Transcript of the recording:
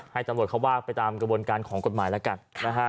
ให้ตำรวจเขาว่าไปตามกระบวนการของกฎหมายแล้วกันนะฮะ